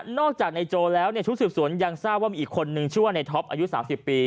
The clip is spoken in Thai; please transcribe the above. นอกจากนายโจชุศือปสวนยังทราบมีอีกคนนึงชื่อว่าไนท๊อปอายุ๓๐ปี